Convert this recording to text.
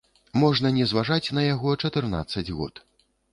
Можна не зважаць на яго чатырнаццаць год.